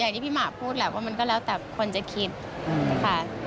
อย่างที่พี่หมากพูดแหละว่ามันก็แล้วแต่คนจะคิดค่ะ